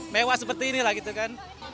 mewah seperti ini lah gitu kan